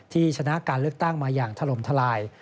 ชนะการเลือกตั้งมาอย่างถล่มทลาย